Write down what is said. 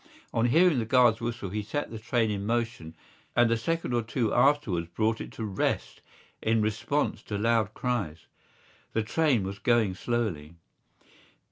On hearing the guard's whistle he set the train in motion and a second or two afterwards brought it to rest in response to loud cries. The train was going slowly.